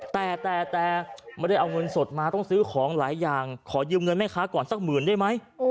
แต่แต่ไม่ได้เอาเงินสดมาต้องซื้อของหลายอย่างขอยืมเงินแม่ค้าก่อนสักหมื่นได้ไหม